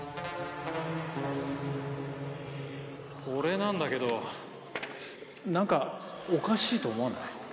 これなんだけど何かおかしいと思わない？